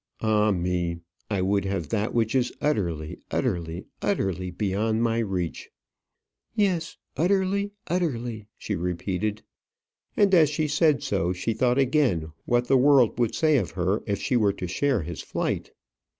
Ah, me! I would have that which is utterly utterly utterly beyond my reach." "Yes, utterly utterly," she repeated. And as she said so, she thought again, what would the world say of her if she were to share his flight?